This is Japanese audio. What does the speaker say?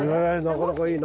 なかなかいい。